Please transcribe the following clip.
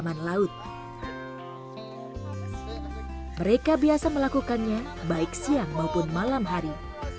mereka biasa melakukannya baik siang maupun malam hari